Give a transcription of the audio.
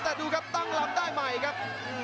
ประโยชน์ทอตอร์จานแสนชัยกับยานิลลาลีนี่ครับ